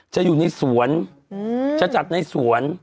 จะอยู่ในสวนจะจัดในสวน